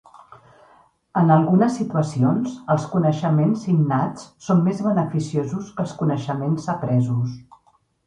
En algunes situacions, els coneixements innats són més beneficiosos que els coneixements apresos.